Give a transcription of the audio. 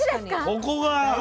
ここが。